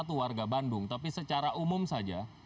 satu warga bandung tapi secara umum saja